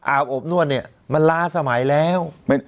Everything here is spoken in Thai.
อบนวดเนี่ยมันล้าสมัยแล้ว